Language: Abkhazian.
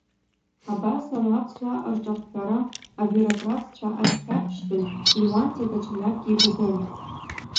Абас ала аԥсуаа рҿахәҳәара абиурократцәа азхьарԥштәын, Леуанти даҽа мҩакгьы ибаӡомызт.